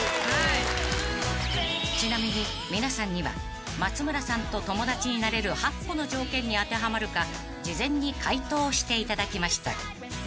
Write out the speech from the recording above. ［ちなみに皆さんには松村さんと友達になれる８個の条件に当てはまるか事前に回答していただきました］